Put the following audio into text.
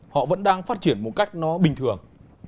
họ vẫn đang phát triển một cách nó bình thường